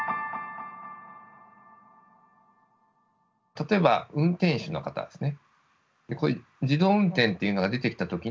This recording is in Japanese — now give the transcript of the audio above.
例えば運転手の方ですね。